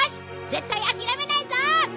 絶対諦めないぞ！